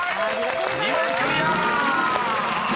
２問クリア！］